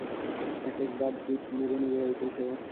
এক- এক বার দীপ নিবো-নিবো হইতেছে।